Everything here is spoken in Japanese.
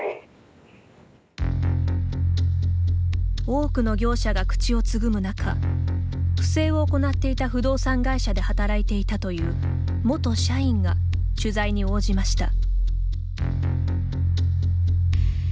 多くの業者が口をつぐむ中不正を行っていた不動産会社で働いていたという元社員が取材に応じました。